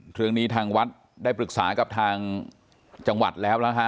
เรื่องนี้ทางวัดได้ปรึกษากับทางจังหวัดแล้วนะฮะ